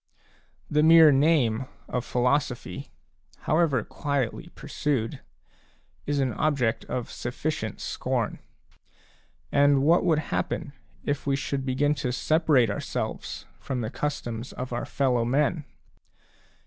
The mere name of philosophy, however quietly pursued, is an object of sufficient scorn ; and what would happen if we should begin to separate ourselves from the customs of ourfellow men